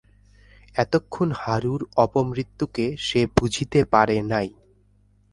এতক্ষণ হারুর অপমৃত্যুকে সে বুঝিতে পারে নাই।